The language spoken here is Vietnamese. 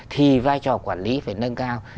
thì vai trò quản lý phải nâng cao